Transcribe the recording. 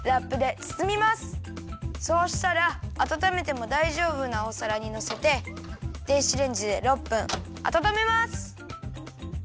そうしたらあたためてもだいじょうぶなおさらにのせて電子レンジで６分あたためます。